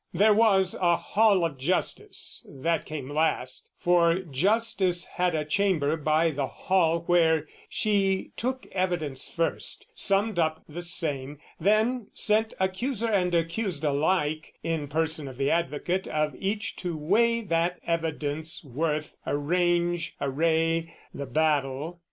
There was a Hall of Justice; that came last: For justice had a chamber by the hall Where she took evidence first, summed up the same, Then sent accuser and accused alike, In person of the advocate of each, To weigh that evidence' worth, arrange, array The battle.